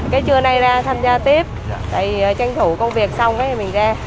cái trưa nay ra tham gia tiếp tại tranh thủ công việc xong thì mình ra